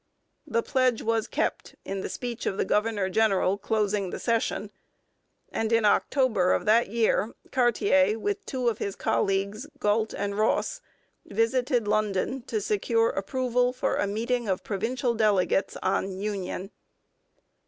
The pledge was kept in the speech of the governor general closing the session, and in October of that year Cartier, with two of his colleagues, Galt and Ross, visited London to secure approval for a meeting of provincial delegates on union.